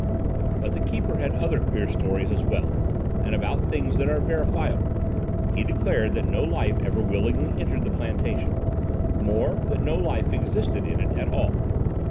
"But the keeper had other queer stories as well, and about things that are verifiable. He declared that no life ever willingly entered the plantation; more, that no life existed in it at all.